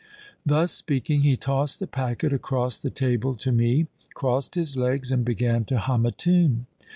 _'—Thus speaking, he tossed the packet across the table to me, crossed his legs, and began to hum a tune.